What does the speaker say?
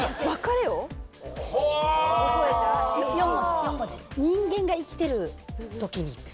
４文字４文字。